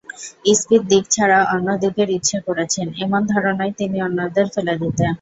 ইস্পিত দিক ছাড়া অন্য দিকের ইচ্ছে করেছেন, এমন ধারণায় তিনি অন্যদের ফেলে দিতেন।